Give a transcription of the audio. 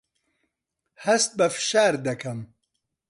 هەست بە فشار دەکەم.